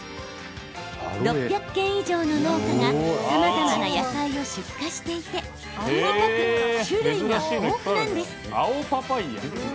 ６００軒以上の農家がさまざまな野菜を出荷していてとにかく種類が豊富なんです。